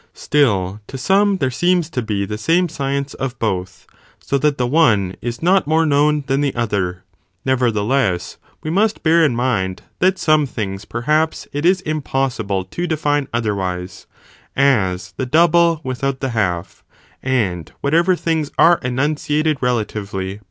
Still to some there seems to be the same science of both, so that the one is not more known than the other; nevertheless, we must bear in mind that some things perhaps it is impossible to de fine otherwise, as the double without the half, and whatever things are enunciated relatively!